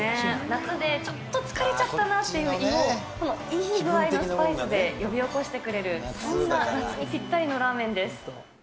夏でちょっと疲れちゃったなっていう胃を、このいい具合のスパイスで呼び起こしてくれる、そんな夏にぴったりのラーメンです。